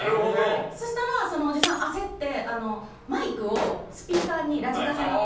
そうしたら、そのおじさん焦ってマイクをスピーカーにラジカセの。